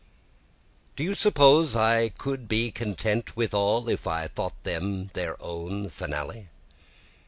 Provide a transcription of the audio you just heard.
2 Do you suppose I could be content with all if I thought them their own finale?